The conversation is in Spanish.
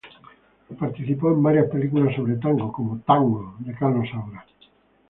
Participó en varias películas sobre tango como "Tango" de Carlos Saura.